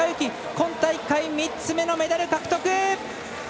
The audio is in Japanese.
今大会３つ目のメダル獲得！